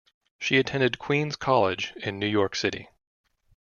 She attended Queens College in New York City.